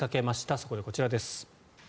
そこでこちらです。